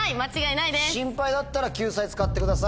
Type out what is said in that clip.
心配だったら救済使ってください。